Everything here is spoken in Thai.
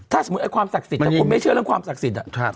ถ้าสมมุติความศักดิ์สิทธิ์ถ้าคุณไม่เชื่อเรื่องความศักดิ์สิทธิ์